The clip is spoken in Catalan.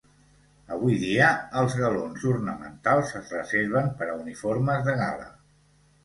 Avui dia els galons ornamentals es reserven per a uniformes de gala.